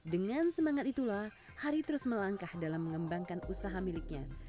dengan semangat itulah hari terus melangkah dalam mengembangkan usaha miliknya